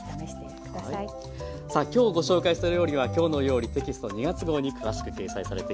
さあ今日ご紹介した料理は「きょうの料理」テキスト２月号に詳しく掲載されています。